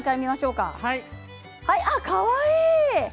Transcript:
かわいい。